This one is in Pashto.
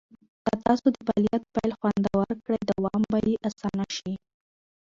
که تاسو د فعالیت پیل خوندور کړئ، دوام به یې اسانه شي.